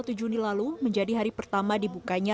minggu dua puluh satu juni lalu menjadi hari pertama dibukanya